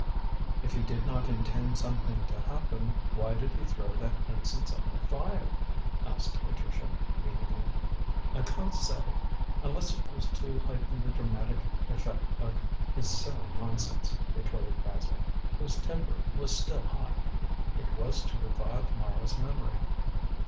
"If he did not intend something to happen, why did he throw that incense on the fire?" asked Patricia meaningly. "I can't say, unless it was to heighten the dramatic effect of his silly nonsense," retorted Basil, whose temper was still hot. "It was to revive Mara's memory."